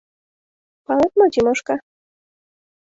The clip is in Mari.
— Палет мо, Тимошка?